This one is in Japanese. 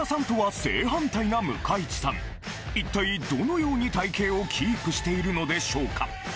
一体どのように体型をキープしているのでしょうか？